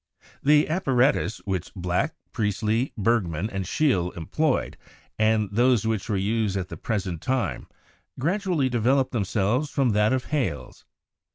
The apparatus which Black, Priestley, Bergman, and Scheele employed, and those which we use at the present time, gradually developed themselves from that of Hales.